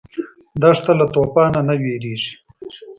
دښته له توفانه نه وېرېږي.